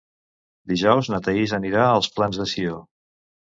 Dijous na Thaís anirà als Plans de Sió.